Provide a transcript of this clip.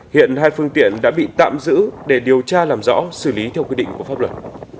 hiện hai phương tiện đã bị tạm giữ để điều tra làm rõ xử lý theo quy định của pháp luật